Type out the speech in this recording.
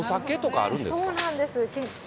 そうなんです。